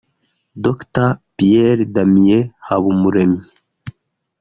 Dr Pierre Damien Habumuremyi